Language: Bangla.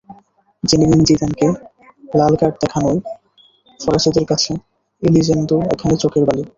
জিনেদিন জিদানকে লাল কার্ড দেখানোয় ফরাসিদের কাছে এলিজেন্দো এখনো চোখের বালি।